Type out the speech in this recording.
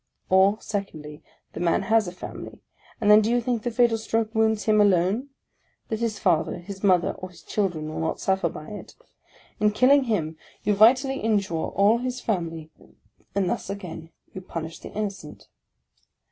Or, Secondly, — the man has a family ; and then do you think the fatal stroke wounds him alone? — that his father, his mother, or his children will not suffer by it? In killing him, you vitally injure all his family: and thus again you punish the innocent.